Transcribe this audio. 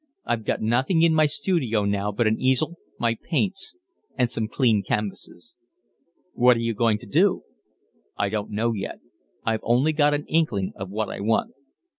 I've got nothing in my studio now but an easel, my paints, and some clean canvases." "What are you going to do?" "I don't know yet. I've only got an inkling of what I want."